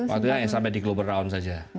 waktu itu hanya sampai di global round saja